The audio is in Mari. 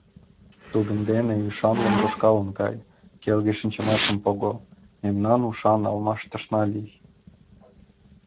Тудын дене ӱшанлын тошкалын кай, келге шинчымашым пого, мемнан ушан алмашташна лий.